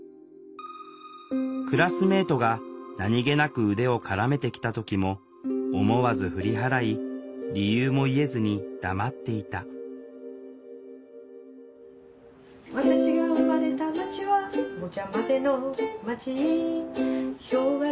クラスメートが何気なく腕を絡めてきた時も思わず振り払い理由も言えずに黙っていた私が生まれた街はごちゃまぜの街ヒョウ柄